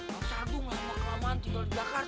bang sardung lama kelamaan tinggal di jakarta